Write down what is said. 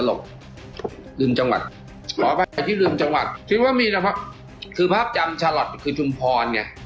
ตลกลืมจังหวัดอ๋อไปที่ลืมจังหวัดคิดว่ามีนะคือภาพจำคือจุมพรเนี่ย